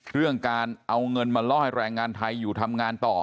เรื่องการเอาเงินมาล่อให้แรงงานไทยอยู่ทำงานต่อ